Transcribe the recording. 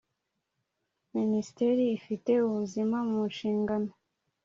Minisitiri ufite ubuzima mu nshingano